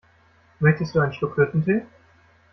Möchtest du einen Schluck Hüttentee?